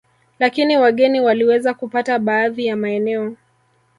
Lakini wageni waliweza kupata baadhi ya maeneo